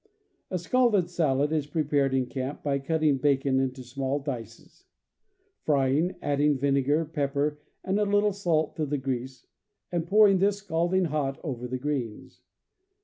A scalded salad is prepared in camp by cutting bacon into small dice, frying, adding vinegar, pepper, and a little salt to the grease, and pouring this, scald ing hot, over the greens.